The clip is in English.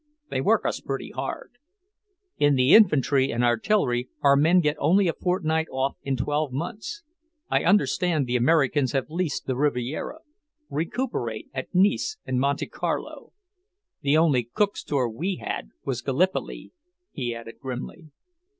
They work us pretty hard. In the infantry and artillery our men get only a fortnight off in twelve months. I understand the Americans have leased the Riviera, recuperate at Nice and Monte Carlo. The only Cook's tour we had was Gallipoli," he added grimly.